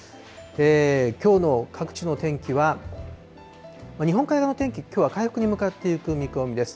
きょうの各地の天気は、日本海側の天気、きょうは回復に向かっていく見込みです。